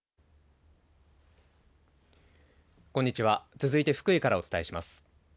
続いて福井からお伝えします。